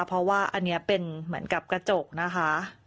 เพราะว่าอันนี้เป็นเหมือนกับกระจกนะคะ